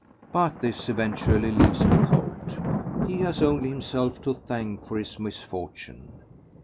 But this eventuality leaves me cold. He has only himself to thank for his misfortune.